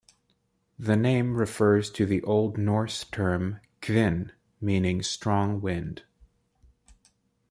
The name refers to the old Norse term "kvin", meaning strong wind.